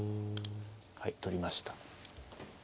はい取りました。